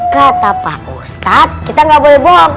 kata pak ustad kita gak boleh bohong